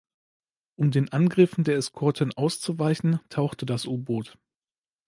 Um den Angriffen der Eskorten auszuweichen, tauchte das U-Boot.